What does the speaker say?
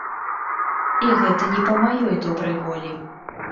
І гэта не па маёй добрай волі.